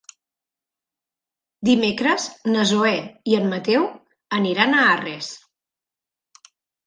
Dimecres na Zoè i en Mateu aniran a Arres.